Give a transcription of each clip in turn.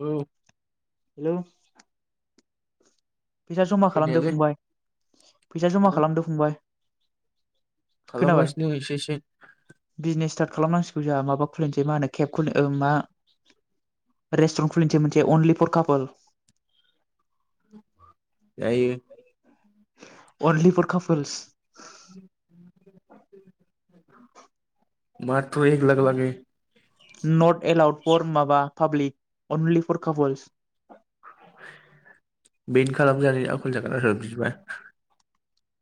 औ हेल' फैसा जमा खालामदो खोनायालै फंबाय फैसा जमा हो खालामदो फंबाय। खोनाबाय खालामगासिनो एसे एसे। बिजनेस स्टार्ट खालामनांसिगौ जोंहा माबा खुलिनोसै मा होनो केप खुलि ओ मा रेस्टुरेन्ट खुलिनोसै मोनसे अनलि फर कापोल। जायो। Only four कापोलस। [inaudible] माथ्र एग लाग लागे। नट एलाउड फर माबा पाब्लिक अनलि फर कापोल्स। बेन खालामजानाय आखल जागोन आरो बिदिबा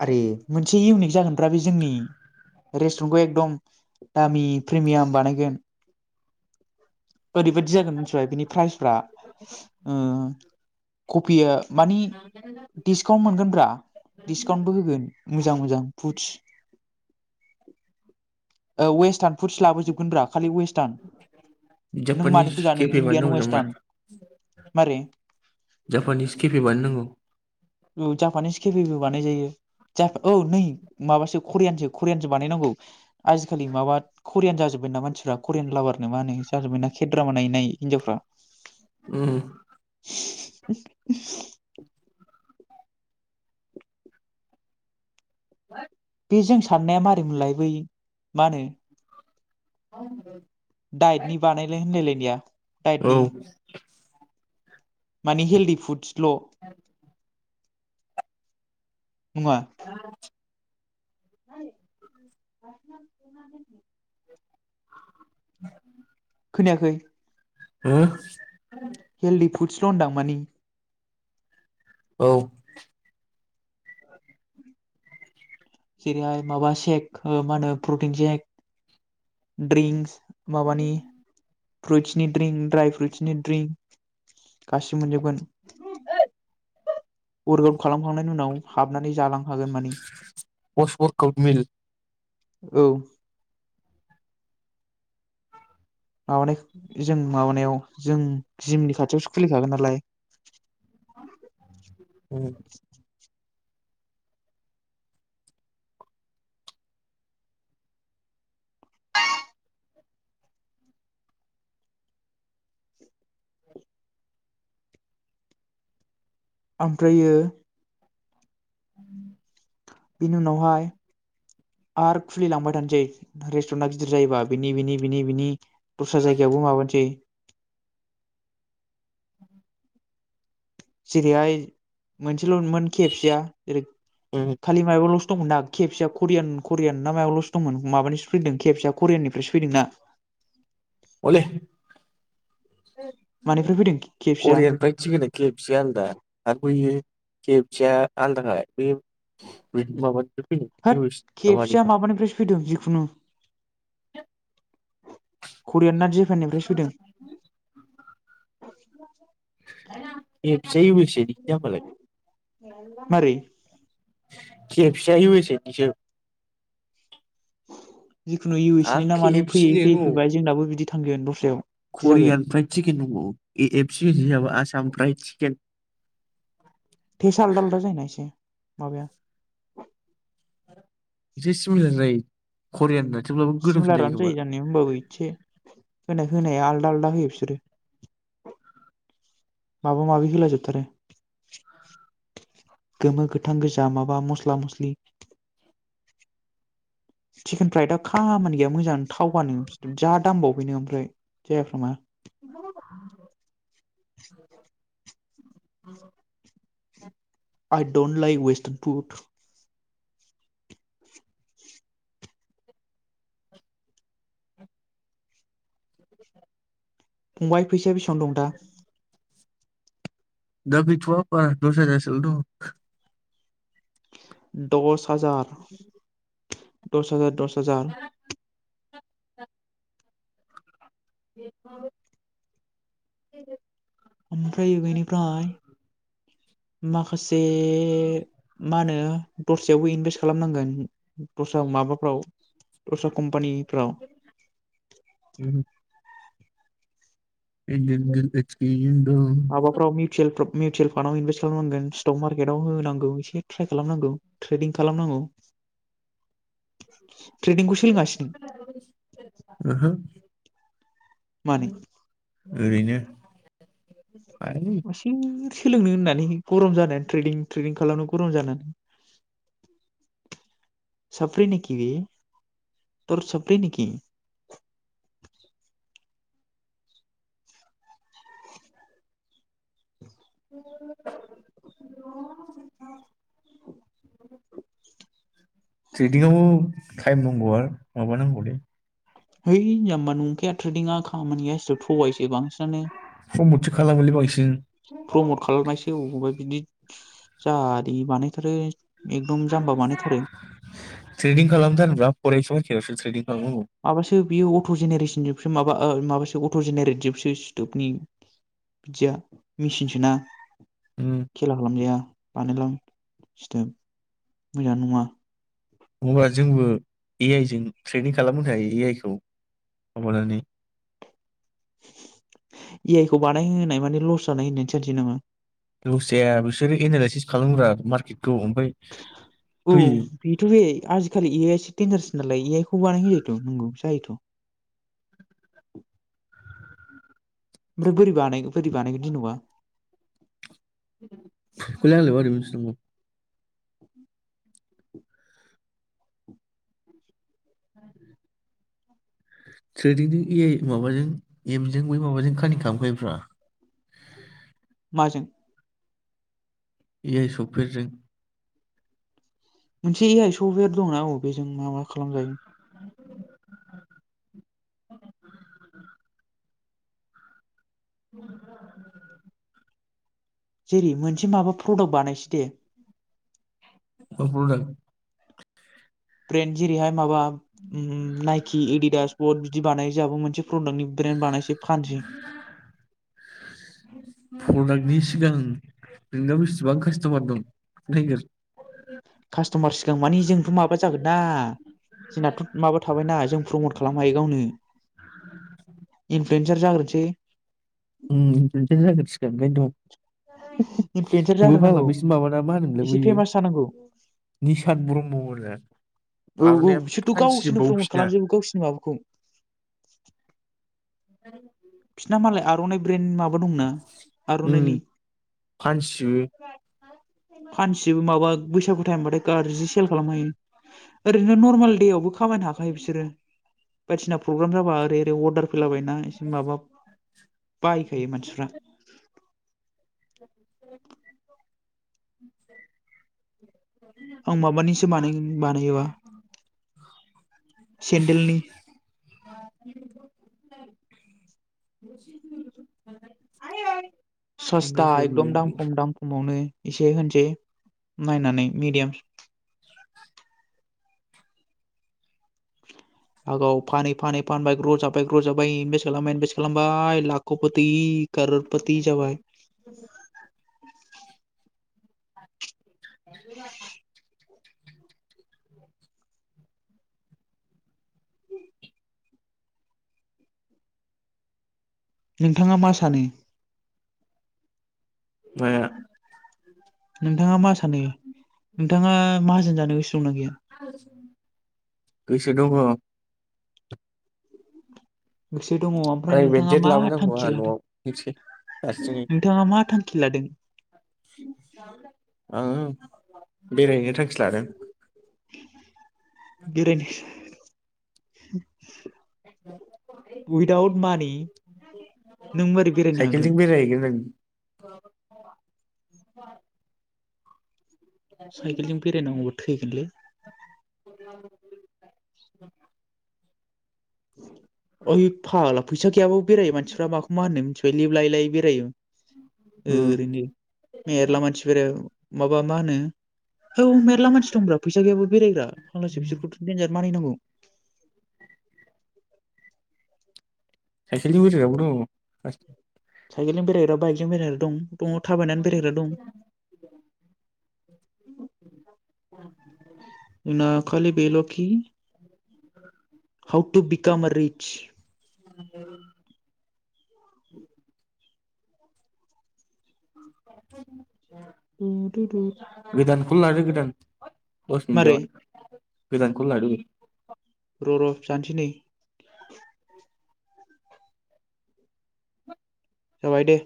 आरे मोनसे इउनिक जागोन रा बे जोंनि रेस्टुरेन्टखौ एकदम दामि प्रिमियाम बानायगोन। ओरैबायदि जागोन मिथिबाय बिनि प्राइसफ्रा ओ कफिया मानि डिसकाउन्ट मोनगोनब्रा डिसकाउन्टबो होगोन मोजां मोजां फुदस औ वेस्टारन फुडस लाबोजोबगोन ब्रा खालि वेस्टार्न नों जापानिस मानिखौ जानो केपि इण्डियान बानायनांगौ जामबा वेस्टार्न मारै जापानिस केपि बानाय नांगौ। औ। औ जापानिस केफेबो बानायजायो जायो जा औ नै माबासो करियानसो करियानसो बानायनांगौ आजिखालि माबा करियान जाजोब्बायना मानसिफ्रा करियान लाभारनो मा होनो जाजोब्बायना खे द्रामा नायै नायै हिनजावफ्रा। उम। [unintelligible] [unintelligible] बे जों साननाया मारै मोनलाय बै मा होनो [unintelligible] डाइटनि बानायलाय होनलायलाय इया। औ। मानि हेल्दि फुड्स। बर' नङा [unintelligible] [unintelligible] खोनायाखै? हो? हेलडि फुड सल' मानि औ। जेरैहाय माबा सेक ओ मा होनो प्रटिन सेक द्रिंस माबानि फ्रुइसनि ड्रिंक ड्राय फ्रुटिनि ड्रिंक गासिबो मोनजोबगोन वरकआवउट खालामखांनायनि उनाव हाबनानै जालां हागोन माने पस वर्कआउट मिल औ माबानाय जों माबानायाव जों जिमनि खाथियावसो खुलिखागोन नालाय उम आमफ्रायो [inaudible] बेनि उनावहाय आरो खुलिलांबाय थानोसै रेस्टरेटा गदिर जायोबाय बिनि बिनि बिनि बिनि दस्रा जायगायावबो माबानोसै जिरैहाय मोनसे सासेलदंमोन खेबसेया जेरै उम खालि मायायावल दंमोन ना खेबसेआव करियान करियान ना मायावल'स दंमोन माबानिसो फैदों करियान खेबसेआव करियाननिफ्राय सो फैदों ना अ लै मानिफ्राय फैदों के एफ सि आ करियाननिफ्रय थि नेकि फुसि हालदा [unintelligible] खेबसेया आलदालाय बे बे माबानिफ्राय फैदों इउ एस सि नि ना माबा खुनु करियानना जेपाननिफ्राय फैदों एबसे उ ए से जाबालाय मारै के एफ सि [unintelligible] जिखुनु इउ एस सि नि आरो के नामानि एफ फैयै फैयै फैबाय जोंनाबो बिदि थांगोन दस्रायाव बिदि जागोन करियानिफ्राय तिकेत नांगौ ए एभ सि आसाम ब्राइट केनो थेसा आलदा आलदा जायोना एसे माबाया [unintelligible] करियान होनना थेब्लाबो गोथावसिन जायो सिमिलारानो खोमा जानाया होमबाबो एसे होनाय होनाया आलदा आलदा होयो बिसोरो माबा माबि होला जोबथारो गोमो गोथां गोजा माबा मस्ला मस्लि चिकेन फ्राइदआ खामानि गैया मोजां थावानो जा दामबाव। अबनो ओमफ्राय जायाफ्रामा [unintelligible] [inaudible] आइ ड'ट लाइक वेस्ट ए फुट फंबाय फैसा बेसेबां दं दा दागैथ'या दस हाजारसेल' दं दस हाजार द'स हाजार दस हाजार [unintelligible] ओमफ्राय बेनिफ्राय माखासे मा होनो दस्रायावबो इनभेस्ट खालामनांगोन दस्रा माबाफ्राव दस्रा कम्पानि उम [unintelligible] माबाफ्राव मिउचयेल प्र मिउचुवेल फान्डाव इनभेस्ट खालामनांगोन स्टक मार्केट आव होनांगौ एसे ट्राइ खालामनांगौ ट्रेडिं खालामनांगौ ट्रेडिंखौ सोलोंयासै नों ओहो मानि ओरैनो। आय आइसोर सोलोंनो होननानै गरम जानानै ट्रेनिं ट्रेनिं खालामनो गरम जानानै साब्रैनाखि थर साफ्रिनाखि। [inaudible] ट्रेनिंआवबो टाइम नांगौ आरो माबा नांगौलै। है जामबा नंखाया ट्रेडिङा खामानि गैया थगायोसो बांसिन नानो प्रमटसो खालामोलै बांसिन प्रमट खालामनायसै अबावबा बिदि जादि बानाय थारो थ्रेडिं खालाम थारनोबा [inaudible] [unintelligible] माबासो बेयो अट जेनेरेसनफ्राय माबा माबासो अट जेनेरेटिपसो सिथोबनि बिदिया मेसिनसोना उम खेला खालामजाया बानायलां [unintelligible] नंङा। अबा जोंबो ए आइ जों ट्रेनिं खालामनो होनो हायो ए आइ खौ माबानानै ए आइ खौ बानायहाय माने लस जानाय होनाय सानसै नामा? लसजाया बिसोरो एनालायसिस खालामग्रा मार्केटखौ ओमफफ्राय औ बेथ'बे आजि खालि ए आइ स टिनजारसो नालाय ए आइखौ बानायहैजायोथ नोंगौ जायोथ ओमफ्राय बोरै बानाय बोरै बानायगोन जेनबा [unintelligible] ट्रेनिंजों ए आइ माबाजों एमजों बै माबाजों खानक खालामखायोब्रा माजों? ए आइ सफेरजों मोनसे ए आइ सवेर दंना औ बेजों मा मा खालामजायो जेरै मोनसे माबा प्रडाक्ट बानायसै दे। अ प्रदाक ब्रेन्ज रेहाय माबा उम उम नाइकि एडिदास बट बिदि बानाय जाबो मोनसे प्रडाक्टनि ब्रेन्ड बानायसै फानसै प्रडाक्टनि सिगां नोंनाव बेसिबां कास्टमार दं नायगिर कास्टमार सिगां मानि जोंथ माबा जागोन ना जोंनाथ माबा थाबायना जों प्रमट खालामनो हायो गावनो इनफ्लुयेन्सार जाग्रोनोसै उम बेनफाय जागोरसिगोन दम इनफ्लुयेन्सार जाग्रोनांगौ एसे फेमास जानांगौ [unintelligible] औ औ बिसोरथ गावसोरनो प्रमत खालामजोबो गावसोरनो माबाखौ [unintelligible] बिसिना मालाय आरइ ब्रेेनडनि माब उम फानसियो फानसिबो माबा बैसागु टाइमबाथाय गाजज्रि सेल खालाम खायो। ओरैनो नर्मेल देवाबो खामायनो हाखायो बिसोरो। बायदिना प्रग्राम जाबा ओरै बे अर्दार फैलाबायना एसे माबा बायखायो मानसिफ्रा आं माबानिसो बानायोङ बानायोबा सेेनडेलनि आयै सोस्था एकदम इंराजफोर दाम खम दाम खमावनो एसे होनसै नायनानै मिडियाम आगाव फानै फानै फानबाय ग्र जाबाय ग्र जाबाय इनभेस्ट खालामबाय इनभेस्ट खालामबाय लाख खौफोथि खोरफोथि जाबाय [unintelligible] नोंथाङा मा सानो माया नोंथाङा मा सानो नोंथाङा माहाजोन जानो? गोसो दंना गैया आरो गोसो दङ गोसो दङ आमफ्राय प्राइभेट नोंथाङा जेट मा लाबोनांगौ आंहा थांखि लादों न'आव मिथिबाय हारसिङै नोंथाङा मा थां खिलादों आंङो बेरायहैनो थांखि लादों बेरायनो उइदाउट मानि नों बोरै बेरायनो हागोन साइकेलजों बेरायहैगोन [unintelligible] साइकेलजों बेरायनांगौबा थैगोनलै [unintelligible] [inaudible] ओइ फाग्ला फैसा गैयाबाबो बेरायो मानसिफ्रा माखौ मा होनो मिथिबाय लिभ लायै लायै बेरायो उम ओरैनो मेरला मानसि बेराय माबा मा होनो औ मेरला मानसि दंब्रा फैसा गैयाब बेरायग्रा फाग्लासो बिसोरखौथ देनजार मानिनांगौ [inaudible] साइकेलजों बेरायग्राबो दङ साइकेलजों बेरायग्रा बाय जों बेरायगरा दं दङ थाबायनानै बेरायग्रा दं आंना खालि बेल खि हाव टु बिकाम रि [unintelligible] [unintelligible] [inaudible] थुथुथ पन लादो गोदान दस मिनिथ जाबाय गोदानखौल लादो र र जानोसै नै जाबाय दे